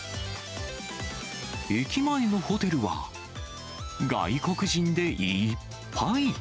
駅前のホテルは、外国人でいっぱい。